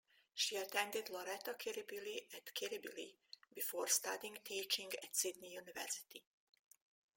She attended Loreto Kirribilli at Kirribilli, before studying teaching at Sydney University.